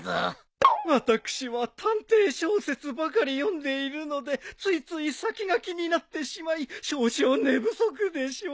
私は探偵小説ばかり読んでいるのでついつい先が気になってしまい少々寝不足でしょう。